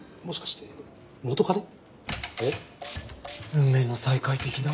運命の再会的な？